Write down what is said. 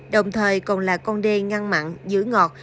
đồng thời còn là con đê ngăn mặn giữ ngọt